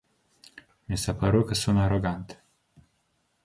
Mi s-a părut că sună arogant.